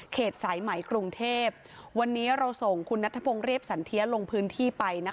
สายไหมกรุงเทพวันนี้เราส่งคุณนัทพงศ์เรียบสันเทียลงพื้นที่ไปนะคะ